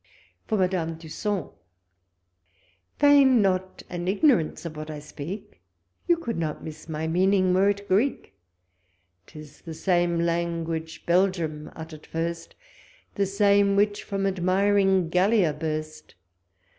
For Madame Dusson. Feign not an igiun ance of what I speaic; You could not miss my meaning were it Greek: •Tis the same language Belgium utter'd first, The same wliich from admiring Gallia burst.